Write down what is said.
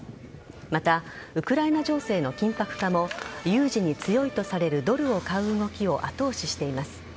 また、ウクライナ情勢の緊迫化も有事に強いとされるドルを買う動きを後押ししています。